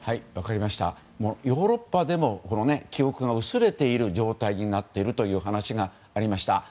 ヨーロッパでも記憶が薄れている状態になっているという話がありました。